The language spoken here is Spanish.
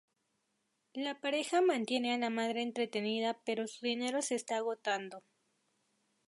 La pareja mantiene a la madre entretenida pero su dinero se está agotando.